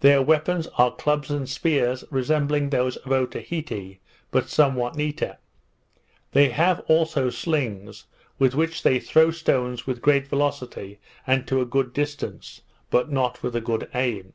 Their weapons are clubs and spears, resembling those of Otaheite, but somewhat neater. They have also slings, with which they throw stones with great velocity, and to a great distance, but not with a good aim.